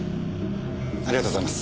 ありがとうございます。